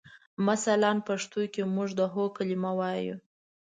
مثلاً پښتو کې موږ د هو کلمه وایو.